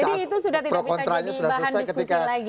jadi itu sudah tidak bisa jadi bahan diskusi lagi